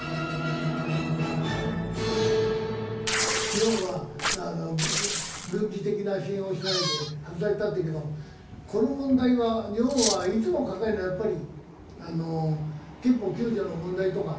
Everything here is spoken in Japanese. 日本は軍事的な支援をしないで外されたっていうけどこの問題は日本はいつも抱えるのはやっぱり憲法９条の問題とか。